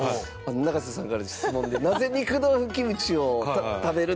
永瀬さんからの質問でなぜ、肉豆腐キムチを食べる？